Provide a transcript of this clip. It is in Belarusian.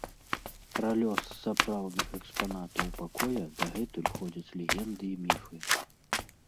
Пра лёс сапраўдных экспанатаў пакоя дагэтуль ходзяць легенды і міфы.